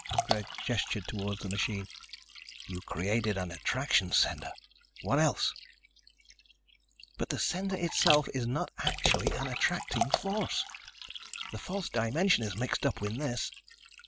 Greg gestured toward the machine. "You created an attraction center. What else?" "But the center itself is not actually an attracting force. The fourth dimension is mixed up in this.